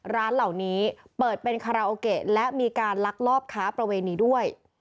ร้านเหล่านี้เปิดเป็นคาราโอเกะและมีการลักลอบค้าประเวณีด้วย